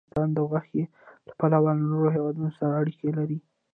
افغانستان د غوښې له پلوه له نورو هېوادونو سره اړیکې لري.